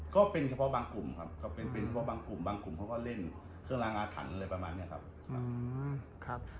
ก็เป็นเฉพาะบางกลุ่มบางกลุ่มเขาก็เล่นเครื่องรางงานถันอะไรประมาณนี้ครับ